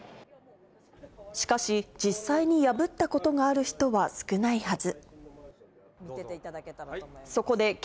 しかし、実際に破ったことがある人は少ないはず。